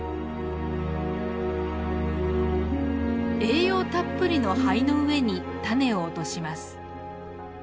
栄養たっぷりの灰の上に種を落とします。